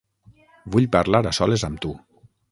Vull parlar a soles amb tu.